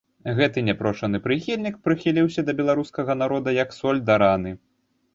Гэты няпрошаны прыхільнік прыхіліўся да беларускага народа як соль да раны.